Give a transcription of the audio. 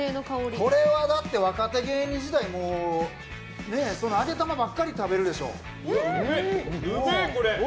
これは若手芸人時代もう揚げ玉ばかり食べるでしょう。